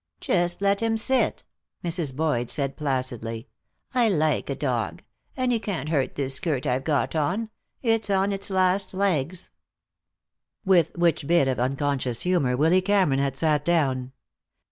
"Just let him sit," Mrs. Boyd said placidly. "I like a dog. And he can't hurt this skirt I've got on. It's on its last legs." With which bit of unconscious humor Willy Cameron had sat down.